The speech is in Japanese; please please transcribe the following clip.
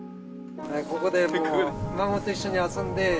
ここで孫と一緒に遊んで。